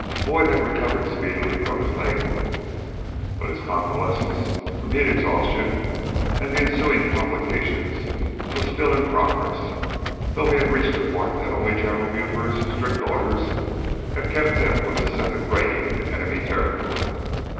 Boyd had recovered speedily from the leg wound, but his convalescence from heat exhaustion and the ensuing complications was still in progress, though he had reached the point that only General Buford's strict orders had kept him from this second raid into enemy territory.